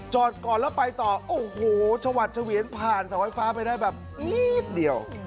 จอดก่อนแล้วไปต่อโอ้โหชวัดเฉวียนผ่านเสาไฟฟ้าไปได้แบบนิดเดียว